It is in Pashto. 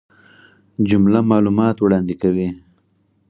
جمله معلومات وړاندي کوي.